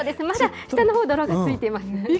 まだ下のほう、泥がついていますね。